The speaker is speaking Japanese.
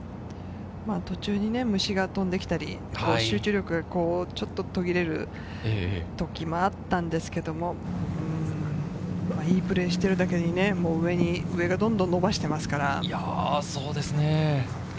途中に虫が飛んできたり集中力がちょっと途切れる時もあったんですけれど、いいプレーしてるだけに上がどんどん伸ばしてますから。